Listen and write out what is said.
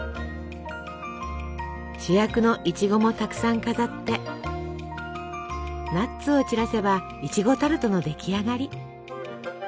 主役のいちごもたくさん飾ってナッツを散らせばいちごタルトの出来上がり。